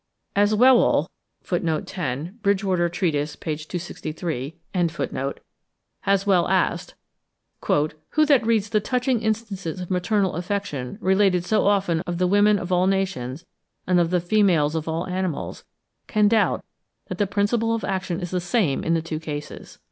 As Whewell (10. 'Bridgewater Treatise,' p. 263.) has well asked, "who that reads the touching instances of maternal affection, related so often of the women of all nations, and of the females of all animals, can doubt that the principle of action is the same in the two cases?"